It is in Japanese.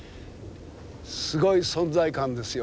すごい存在感ですよ